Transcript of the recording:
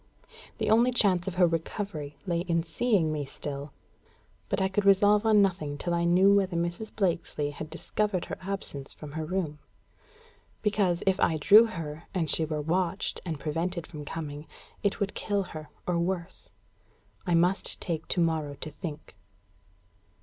The only chance of her recovery lay in seeing me still; but I could resolve on nothing till I knew whether Mrs. Blakesley had discovered her absence from her room; because, if I drew her, and she were watched and prevented from coming, it would kill her, or worse. I must take to morrow to think.